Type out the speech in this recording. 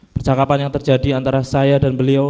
percakapan yang terjadi antara saya dan beliau